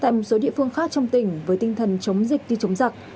tại một số địa phương khác trong tỉnh với tinh thần chống dịch như chống giặc